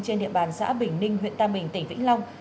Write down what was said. trên địa bàn xã bình ninh huyện tam bình tỉnh vĩnh long